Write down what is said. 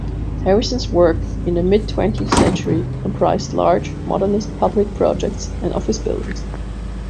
Harrison's work in the mid-twentieth century comprised large, modernist public projects and office buildings.